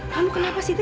kamu kenapa siti